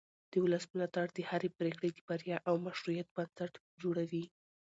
د ولس ملاتړ د هرې پرېکړې د بریا او مشروعیت بنسټ جوړوي